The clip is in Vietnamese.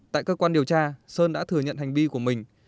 tại cơ quan điều tra sơn đã thừa nhận hành vi của mình